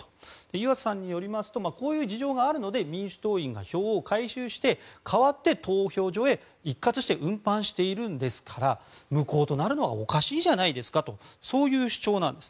湯浅さんによりますとこういう事情があるので民主党員が票を回収して代わって投票所へ一括して運搬していますから無効となるのはおかしいじゃないですかとそういう主張なんです。